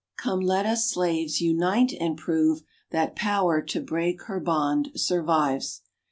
Come, let us slaves unite and prove That power to break her bond survives.